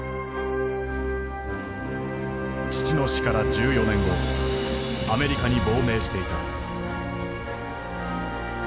父の死から１４年後アメリカに亡命していた。